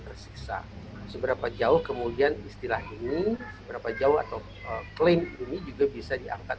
tersiksa seberapa jauh kemudian istilah ini berapa jauh atau klaim ini juga bisa diangkat